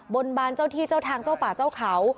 บนบานเจ้าที่เจ้าทางเจ้าป่าเจ้าเขา